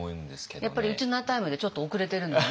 やっぱりウチナータイムでちょっと遅れてるのね。